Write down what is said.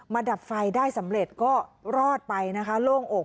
มาดับไฟได้สำเร็จก็รอดไปโล่งโอก